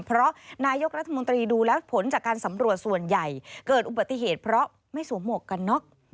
เพราะนายกรัฐมนตรีดูแล้วผลจากการสำรวจส่วนใหญ่เกิดอุบัติเหตุเพราะไม่สวมหมวกกันน็อก